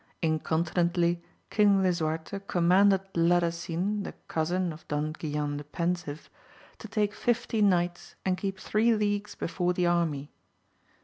Incontinently King Lisuarte com manded Ladasin the cousin of Don Guilan the Pensive to take fifty knights and keep three leagues before the army.